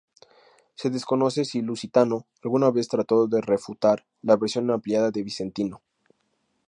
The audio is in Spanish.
Se desconoce si Lusitano alguna vez trató de refutar la versión ampliada de Vicentino.